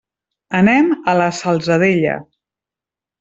Anem a la Salzadella.